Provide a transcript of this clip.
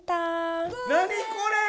何これ？